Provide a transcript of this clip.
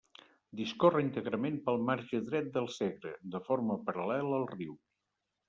Discorre íntegrament pel marge dret del Segre, de forma paral·lela al riu.